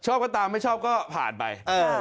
ก็ตามไม่ชอบก็ผ่านไป